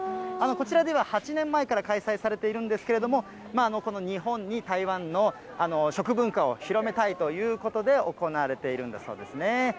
こちらでは８年前から開催されているんですけれども、この日本に台湾の食文化を広めたいということで、行われているんだそうですね。